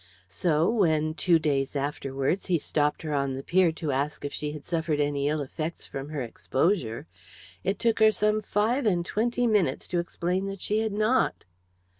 So, when, two days afterwards, he stopped her on the pier to ask if she had suffered any ill effects from her exposure, it took her some five and twenty minutes to explain that she had not.